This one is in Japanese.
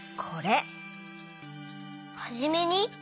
「はじめに」？